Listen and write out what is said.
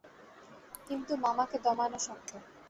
কিন্তু, মামাকে দমানো শক্ত।